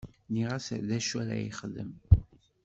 Nniɣ-as d acu ara yexdem.